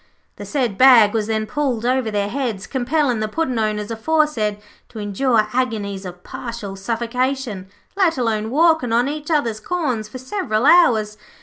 The said bag was then pulled over their heads, compelling the Puddin' owners aforesaid to endure agonies of partial suffocation, let alone walkin' on each other's corns for several hours.